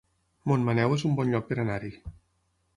Montmaneu es un bon lloc per anar-hi